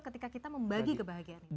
ketika kita membagi kebahagiaan